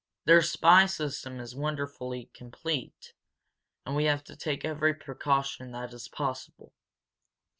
Their spy system is wonderfully complete and we have to take every precaution that is possible.